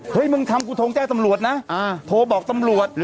มึงทำกูโทรแจ้งตำรวจนะโทรบอกตำรวจ